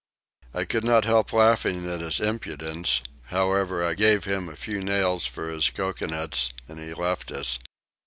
I could not help laughing at his impudence: however I gave him a few nails for his coconuts and he left us.